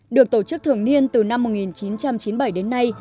được tổ chức thường niên từ năm một nghìn chín trăm chín mươi bảy đến nay